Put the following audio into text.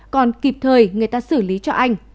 còn kịp thời người ta xử lý cho anh